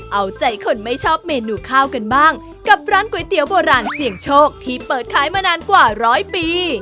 เอาใจคนไม่ชอบเมนูข้าวกันบ้างกับร้านก๋วยเตี๋ยวโบราณเสี่ยงโชคที่เปิดขายมานานกว่าร้อยปี